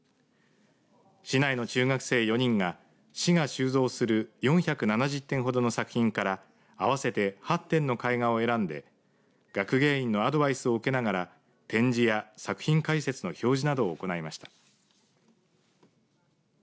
市内の中学生４人が市が収蔵する４７０点ほどの作品から合わせて８点の絵画を選んで学芸員のアドバイスを受けながら展示や作品解説の表示などを行いました。